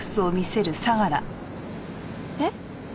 えっ？